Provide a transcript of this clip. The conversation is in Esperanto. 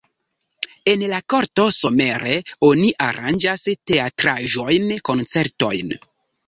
En la korto somere oni aranĝas teatraĵojn, koncertojn.